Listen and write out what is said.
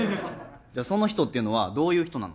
じゃあその人っていうのはどういう人なの？